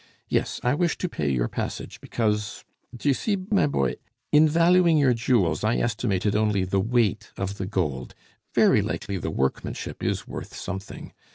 Yes, I wish to pay your passage because d'ye see, my boy? in valuing your jewels I estimated only the weight of the gold; very likely the workmanship is worth something.